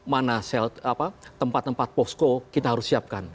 mana tempat tempat posko kita harus siapkan